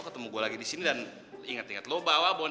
wah gua bisa beli makan apa aja tuh